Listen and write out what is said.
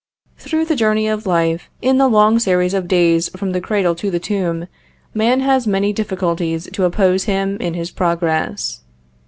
Through the journey of life, in the long series of days from the cradle to the tomb, man has many difficulties to oppose him in his progress.